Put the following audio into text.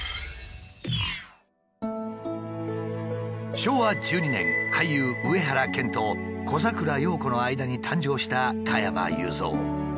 昭和１２年俳優上原謙と小桜葉子の間に誕生した加山雄三。